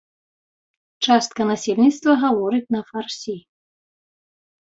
Частка насельніцтва гаворыць на фарсі.